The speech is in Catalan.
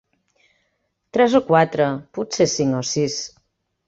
Tres o quatre, potser cinc o sis.